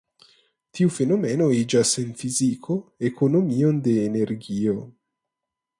Tiu fenomeno iĝas en fiziko ekonomion de energio.